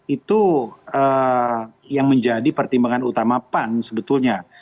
itu yang menjadi pertimbangan utama pan sebetulnya